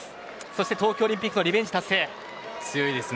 そして東京オリンピックのリベンジ達成です。